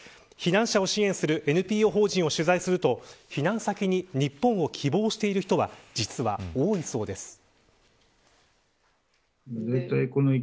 避難者を支援するＮＰＯ法人を取材すると避難先に日本を希望している人は実は多いそうです。